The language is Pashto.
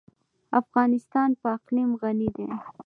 افغانستان په اقلیم غني دی.